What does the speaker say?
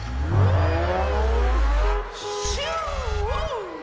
シュー！